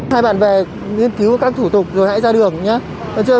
hai bạn về nghiên cứu các thủ tục rồi hãy ra đường nhé